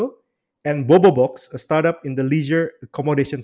dan bobobox startup di sektor komodasi leisure